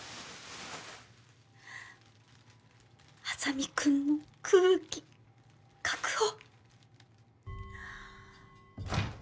莇君の空気確保！